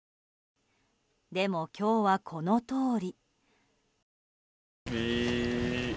でも今日は、このとおり。